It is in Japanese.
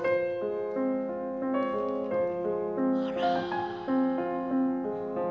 あら。